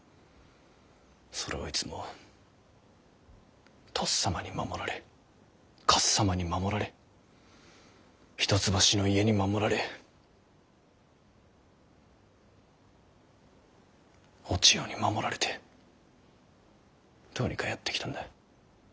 それをいつもとっさまに守られかっさまに守られ一橋の家に守られお千代に守られてどうにかやってきたんだ。